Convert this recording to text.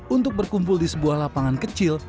untuk berkumpul di sebuah lapangan kecil